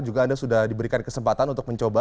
juga anda sudah diberikan kesempatan untuk mencoba